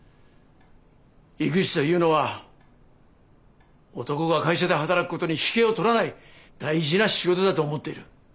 育児というのは男が会社で働くことに引けを取らない大事な仕事だと思っている。